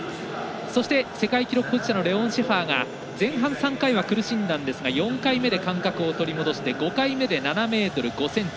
そして世界記録保持者のレオン・シェファーが前半３回は苦しんだんですが４回目で感覚を取り戻して５回目に７ｍ５ｃｍ。